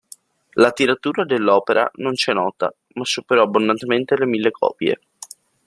La tiratura dell'opera non ci è nota, ma superò abbondantemente le mille copie.